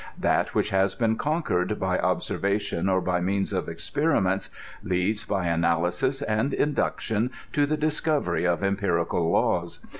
That which has been conquered by observation or by means of experiments, leads, by analysis and induction, to the discovery of empirical laws.